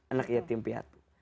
anak yatim piatu